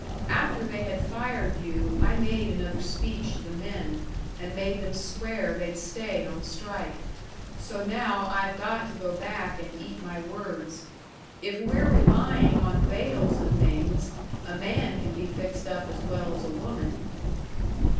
After they had fired you, I made another speech to the men, and made them swear they'd stay on strike. So now I've got to go back and eat my words. If we're relying on veils and things, a man can be fixed up as well as a woman."